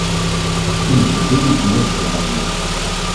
Iwet-d uneznaz iḍelli.